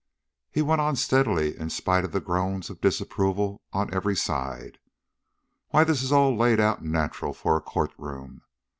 He went on steadily in spite of the groans of disapproval on every side. "Why, this is all laid out nacheral for a courtroom.